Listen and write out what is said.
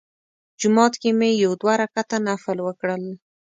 جومات کې مې یو دوه رکعته نفل وکړل.